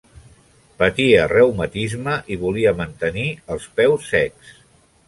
Patia reumatisme i volia mantenir els peus secs.